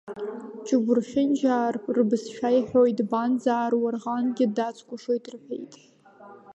Ҷубурхьынџьаа рыбызшәагьы иҳәоит, Банӡаа руарӷангьы дацкәашоит рҳәеит.